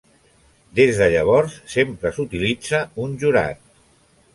Des de llavors, sempre s'utilitza un jurat.